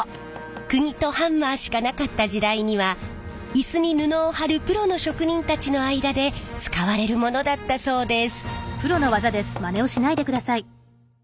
くぎとハンマーしかなかった時代にはイスに布を張るプロの職人たちの間で使われるものだったそうです。